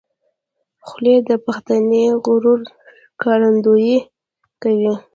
خولۍ د پښتني غرور ښکارندویي کوي.